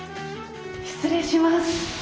失礼します。